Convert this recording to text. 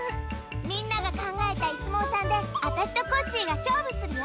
みんながかんがえたイスもうさんであたしとコッシーがしょうぶするよ！